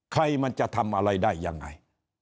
ใครมันจะทำอะไรได้ยังไง